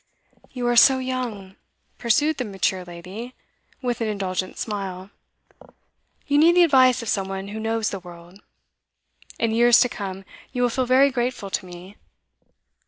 'You are so young,' pursued the mature lady, with an indulgent smile. 'You need the advice of some one who knows the world. In years to come, you will feel very grateful to me.